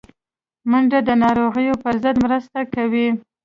منډه د ناروغیو پر ضد مرسته کوي